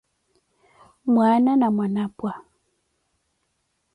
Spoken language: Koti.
Mwaana na Mwanapwa